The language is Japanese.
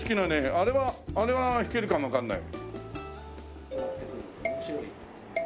あれはあれは弾けるかもわかんない。